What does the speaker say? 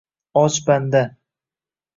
Och banda.